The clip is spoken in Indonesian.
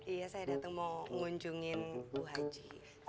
iya saya datang mau ngunjungin bu haji